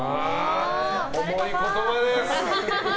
重い言葉です！